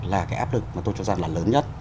là cái áp lực mà tôi cho rằng là lớn nhất